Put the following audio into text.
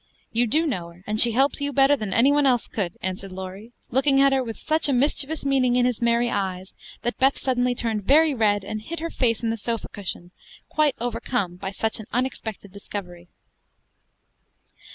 "You do know her, and she helps you better than any one else could," answered Laurie, looking at her with such mischievous meaning in his merry eyes, that Beth suddenly turned very red, and hid her face in the sofa cushion, quite overcome by such an unexpected discovery.